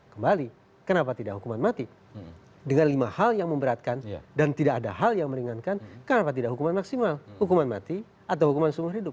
kembali kenapa tidak hukuman mati dengan lima hal yang memberatkan dan tidak ada hal yang meringankan kenapa tidak hukuman maksimal hukuman mati atau hukuman seumur hidup